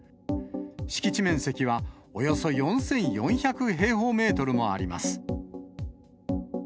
敷地面積はおよそ４４００平方メートルもあります。